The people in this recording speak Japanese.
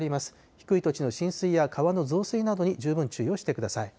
低い土地の浸水や川の増水などに十分注意をしてください。